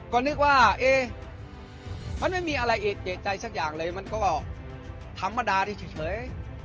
ก็นึกว่ามันไม่มีอะไรเอกใจสักอย่างเลยมันก็ธรรมดาที่เฉย